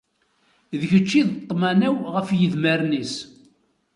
D kečč i d ṭṭmana-w ɣef yidmaren-is.